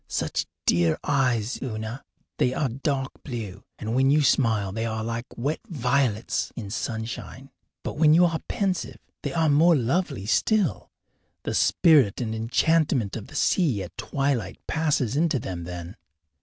Such dear eyes, Una! They are dark blue, and when you smile they are like wet violets in sunshine. But when you are pensive they are more lovely still the spirit and enchantment of the sea at twilight passes into them then.